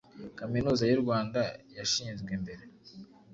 Kaminuza y’u Rwanda yashinzwe mbere.